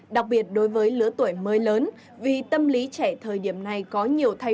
đặc biệt đối với lứa tuổi mới lớn vì tâm lý trẻ thời điểm này